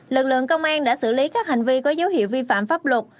lực lượng công an đã xử lý các hành vi có dấu hiệu vi phạm pháp luật